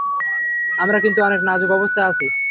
আমরা কিন্তু অনেক নাজুক অবস্থায় আছি।